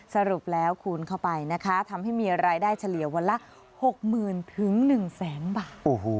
สรุปแล้วคูณเข้าไปนะคะทำให้มีรายได้เฉลี่ยวันละ๖๐๐๐๑แสนบาท